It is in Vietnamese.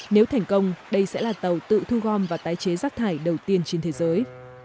nếu thành công đây sẽ là tàu tự thu gom và tái chế rác thải đầu tiên trên thế giới